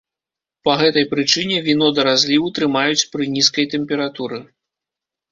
Па гэтай прычыне віно да разліву трымаюць пры нізкай тэмпературы.